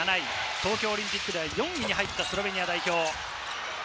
東京オリンピックで４位に入ったスロベニア代表。